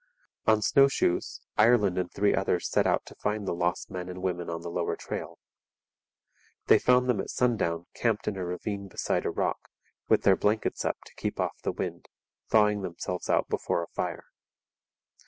On snowshoes Ireland and three others set out to find the lost men and women on the lower trail. They found them at sundown camped in a ravine beside a rock, with their blankets up to keep off the wind, thawing themselves out before a fire.